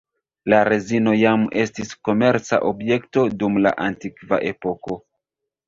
La rezino jam estis komerca objekto dum la Antikva epoko.